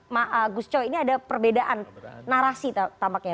ma agus coy ini ada perbedaan narasi tampaknya